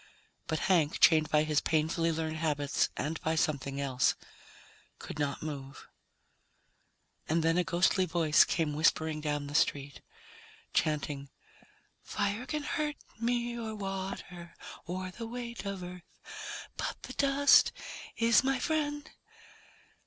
But Hank, chained by his painfully learned habits and by something else, could not move. And then a ghostly voice came whispering down the street, chanting, "Fire can hurt me, or water, or the weight of Earth. But the dust is my friend."